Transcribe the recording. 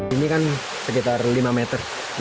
ini kan sekitar lima meter